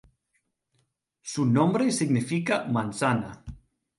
Su nombre significa Manzana.